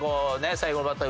最後のバッター